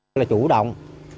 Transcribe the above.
tôi là chủ động